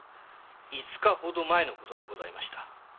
五日ほど前のことでございました。